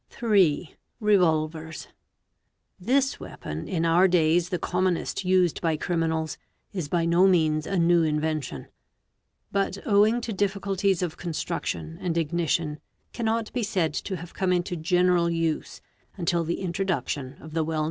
'a 3. REVOLVERS. This weapon, in our days the commonest used by criminals, is by no means a new invention; but owing to difficulties of construe tion and ignition, cannot be said to have come into general us until the introduction of the well.